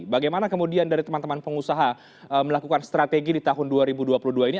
bagaimana kemudian dari teman teman pengusaha melakukan strategi di tahun dua ribu dua puluh dua ini